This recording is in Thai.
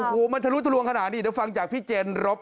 โอ้โหมันทะลุทะลวงขนาดนี้เดี๋ยวฟังจากพี่เจนรบ